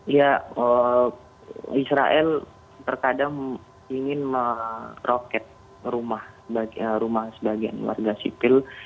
ya israel terkadang ingin meroket rumah sebagian warga sipil